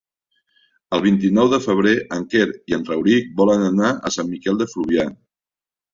El vint-i-nou de febrer en Quer i en Rauric volen anar a Sant Miquel de Fluvià.